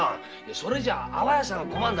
それじゃ阿波屋さんが困るんだ。